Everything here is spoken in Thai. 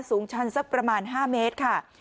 ชันสักประมาณ๕เมตรค่ะ